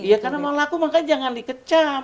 iya karena mau laku makanya jangan dikecam